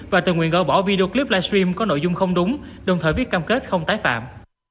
và tự nguyện gỡ bỏ video clip livestream có nội dung không đúng đồng thời viết cam kết không tái phạm